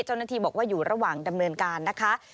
เจ้าหน้าที่บอกว่าอยู่ระหว่างดำเนินการนะคะ